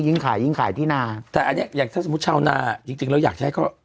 ยิ่งขายยิ่งขายที่นาแต่อันเนี้ยอย่างถ้าสมมุติชาวนาจริงจริงเราอยากจะให้เขา